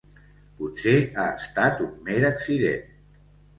Potser ha estat un mer accident.